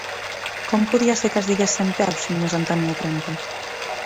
Com podia ser que es digués centpeus si només en tenia trenta?